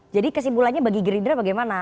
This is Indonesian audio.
jadi kesimpulannya bagi gerindra bagaimana